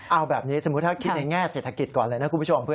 เอาแบบนี้สมมุติถ้าคิดในแง่เศรษฐกิจก่อนเลยนะคุณผู้ชม